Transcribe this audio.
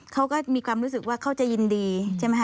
เขาก็มีความรู้สึกว่าเขาจะยินดีใช่ไหมค